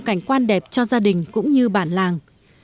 cảnh quan đẹp cho gia đình cũng như bản làng